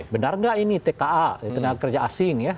benar gak ini tka tindakan kerja asing ya